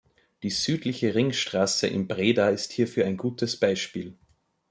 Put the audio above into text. Die südliche Ringstraße in Breda ist hierfür ein gutes Beispiel.